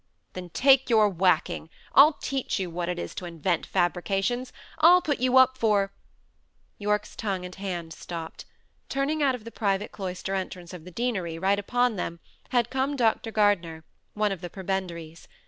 "Then take your whacking! I'll teach you what it is to invent fabrications! I'll put you up for " Yorke's tongue and hands stopped. Turning out of the private cloister entrance of the deanery, right upon them, had come Dr. Gardner, one of the prebendaries.